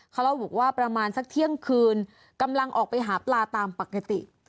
เขาเล่าบอกว่าประมาณสักเที่ยงคืนกำลังออกไปหาปลาตามปกติ